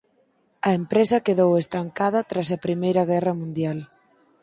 A empresa quedou estancada tras a Primeira Guerra Mundial.